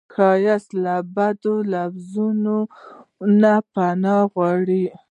ښایست له بدو لفظونو نه پناه غواړي